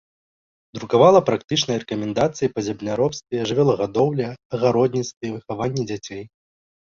Друкавала практычныя рэкамендацыі па земляробстве, жывёлагадоўлі, агародніцтве, выхаванні дзяцей.